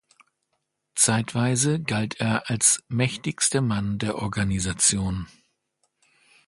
Zeitweise galt er als mächtigster Mann der Organisation.